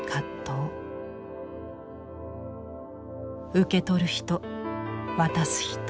受け取る人渡す人。